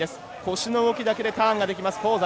腰の動きだけでターンができます香西。